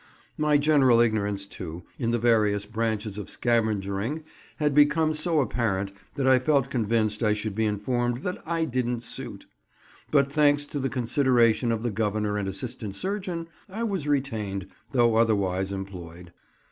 My general ignorance, too, in the various branches of scavengering had become so apparent that I felt convinced I should be informed that I "didn't suit"; but, thanks to the consideration of the Governor and assistant surgeon, I was retained, though otherwise employed.